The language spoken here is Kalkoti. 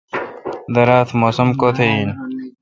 درا تہ موسم کت این